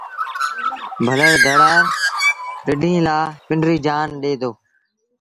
ڀلڙ ڌرآڙ رڍينٚ لآ پنڊريٚ جآن ڏي دو۔